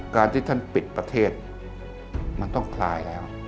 การที่ท่านปิดประเทศมันต้องคลายแล้ว